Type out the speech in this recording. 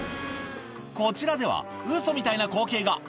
こちらでは、ウソみたいな光景が。